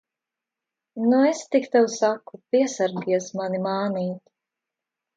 Nu, es tik tev saku, piesargies mani mānīt!